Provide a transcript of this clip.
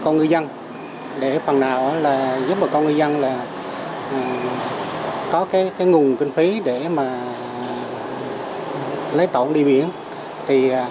đà nẵng để bằng nào là giúp bà con người dân là có cái cái nguồn kinh phí để mà lấy tổn đi biển thì